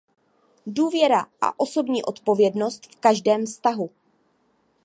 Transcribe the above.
Důvěra a osobní odpovědnost v každém vztahu.